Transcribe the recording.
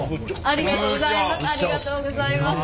ありがとうございます。